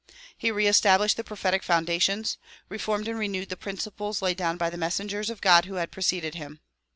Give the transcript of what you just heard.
He reestablished the prophetic foundations; reformed and renewed the principles laid down by the messengers of God who had preceded him.